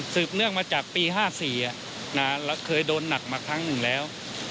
สืบเนื่องมาจากปี๑๙๕๔และเคยโดนหนักมาทั้งหนึ่งแล้ว